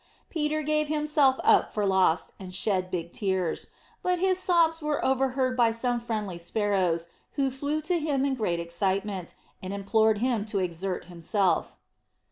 Peter gave himself up for lost, and shed big tears; but his sobs were overheard by some friendly Sparrows, who flew to him in great excitement, and implored him to exert himself.